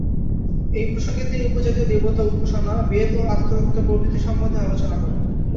এই প্রসঙ্গে তিনি উপজাতীয় দেবতা-উপাসনা, বেদ ও আত্মতত্ত্ব প্রভৃতি সম্বন্ধে আলোচনা করেন।